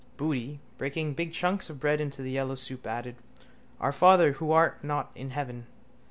Boody, breaking big chunks of bread into the yellow soup, added: —Our father who art not in heaven.